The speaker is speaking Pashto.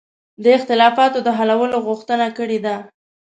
د اختلافاتو د حلولو غوښتنه کړې ده.